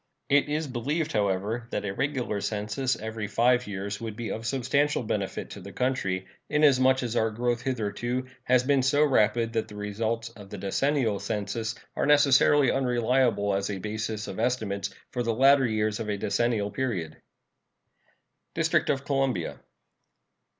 It is believed, however, that a regular census every five years would be of substantial benefit to the country, inasmuch as our growth hitherto has been so rapid that the results of the decennial census are necessarily unreliable as a basis of estimates for the latter years of a decennial period. DISTRICT OF COLUMBIA.